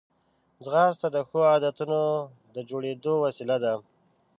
ځغاسته د ښو عادتونو د جوړېدو وسیله ده